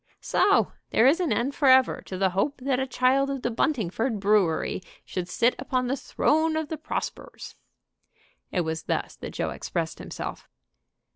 "So there is an end forever to the hope that a child of the Buntingford Brewery should sit upon the throne of the Prospers." It was thus that Joe expressed himself.